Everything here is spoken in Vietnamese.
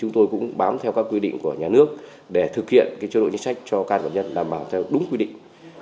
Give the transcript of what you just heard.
chúng tôi cũng bám theo các quy định của nhà nước để thực hiện chế độ chính sách cho các phạm nhân đảm bảo theo đúng quy định